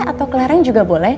atau kelereng juga boleh